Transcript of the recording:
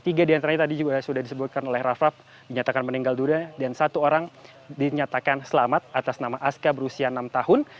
tiga di antaranya tadi juga sudah disebutkan oleh rafa dinyatakan meninggal dulu dan satu orang dinyatakan selamat atas nama aska berusia enam tahun